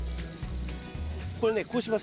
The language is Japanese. これねこうします。